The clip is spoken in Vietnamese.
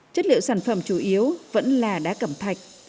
chất liệu sản phẩm chủ yếu vẫn là đá cẩm thạch